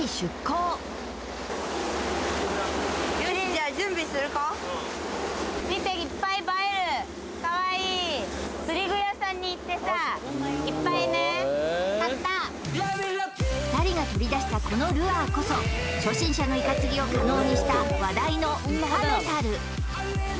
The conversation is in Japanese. ちゃんは２人が取り出したこのルアーこそ初心者のイカ釣りを可能にした話題のイカメタル